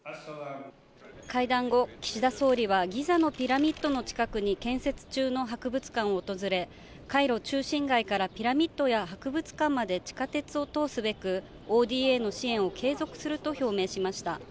会談後、岸田総理はギザのピラミッドの近くに建設中の博物館を訪れ、カイロ中心街からピラミッドや博物館まで地下鉄を通すべく、ＯＤＡの支援を継続すると表明しました。